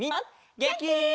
げんき？